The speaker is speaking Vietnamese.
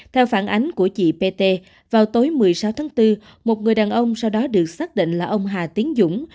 theo phản ánh của chị pt vào tối một mươi sáu tháng bốn một người đàn ông sau đó được xác định là ông hà tiến dũng